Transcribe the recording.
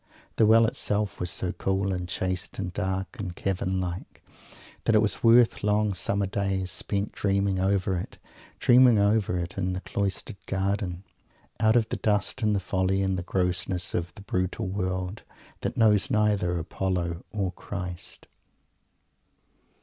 The Well itself was so cool and chaste and dark and cavern like, that it was worth long summer days spent dreaming over it dreaming over it in the cloistered garden, out of the dust and the folly and the grossness of the brutal World, that knows neither Apollo or Christ!